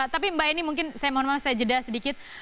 tapi mbak eni mungkin saya mohon maaf saya jeda sedikit